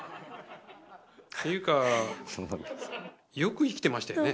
ていうかよく生きてましたよね。